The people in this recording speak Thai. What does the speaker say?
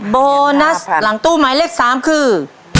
โบนัสหลังตู้หมายเลข๓คือ